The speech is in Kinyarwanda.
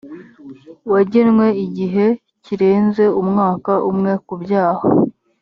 wagenwe igihe kirenze umwaka umwe ku byaha